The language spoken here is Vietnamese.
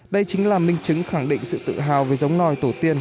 đây chính là minh chứng khẳng định sự tự hào về giống nòi tổ tiên